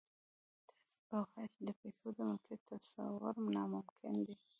تاسې به واياست چې د پيسو د ملکيت تصور ناممکن دی.